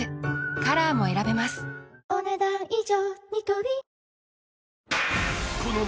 カラーも選べますお、ねだん以上。